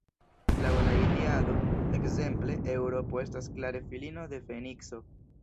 Laŭ la Iliado, ekzemple, Eŭropo estas klare filino de Fenikso.